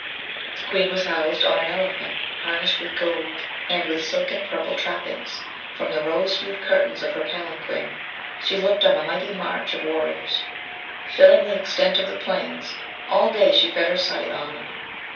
The Queen was housed on an elephant, harnessed with gold, and with silken purple trappings; from the rose hued curtains of her palanquin she looked on a mighty march of warriors, filling the extent of the plains; all day she fed her sight on them.